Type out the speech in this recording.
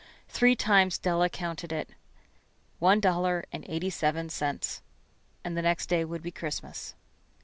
Three times Della counted it. One dollar and eighty seven cents. And the next day would be Christmas.